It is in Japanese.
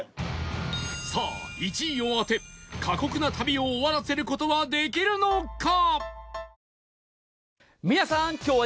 さあ１位を当て過酷な旅を終わらせる事はできるのか？